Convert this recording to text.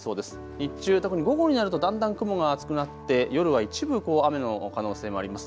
日中特に午後になるとだんだん雲が厚くなって夜は一部、雨の可能性もあります。